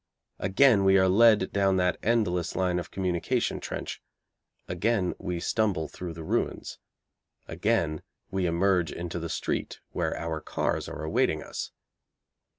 Again we are led down that endless line of communication trench, again we stumble through the ruins, again we emerge into the street where our cars are awaiting us.